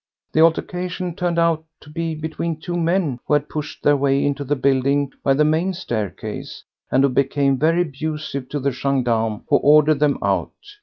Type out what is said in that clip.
The altercation turned out to be between two men who had pushed their way into the building by the main staircase, and who became very abusive to the gendarme who ordered them out.